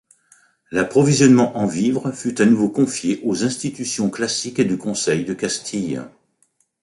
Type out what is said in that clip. L'approvisionnement en vivres fut à nouveau confié aux institutions classiques du Conseil de Castille.